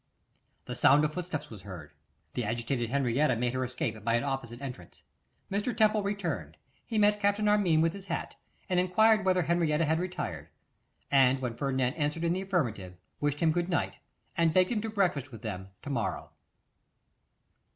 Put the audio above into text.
The sound of footsteps was heard, the agitated Henrietta made her escape by an opposite entrance. Mr. Temple returned, he met Captain Armine with his hat, and enquired whether Henrietta had retired; and when Ferdinand answered in the affirmative, wished him good night, and begged him to breakfast with them to morrow.